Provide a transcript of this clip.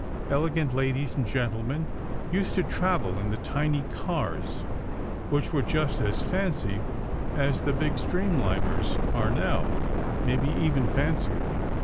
Elegant ladies and gentlemen used to travel in the tiny cars which were just as fancy as the big streamliners are now maybe even fancier.